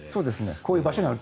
こういう場所にあると。